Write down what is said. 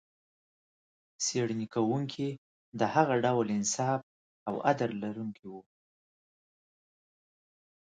څېړنې کوونکي د هغه ډول انصاف او عدل لرونکي و.